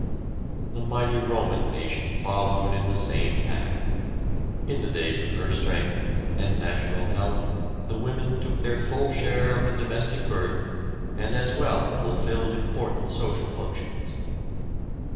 The mighty Roman nation followed in the same path. In the days of her strength, and national health, the women took their full share of the domestic burden, and as well fulfilled important social functions.